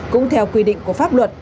cũng theo quy định của pháp luật